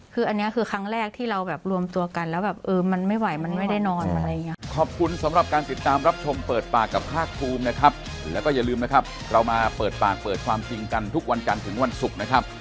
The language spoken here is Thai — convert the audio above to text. คืออันนี้คือครั้งแรกที่เราแบบรวมตัวกันแล้วแบบมันไม่ไหวมันไม่ได้นอนอะไรอย่างนี้